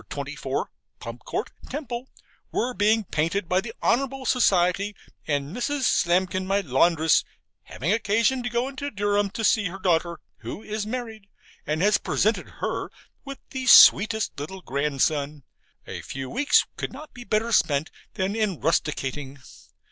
24, Pump Court, Temple, were being painted by the Honourable Society, and Mrs. Slamkin, my laundress, having occasion to go into Durham to see her daughter, who is married, and has presented her with the sweetest little grandson a few weeks could not be better spent than in rusticating.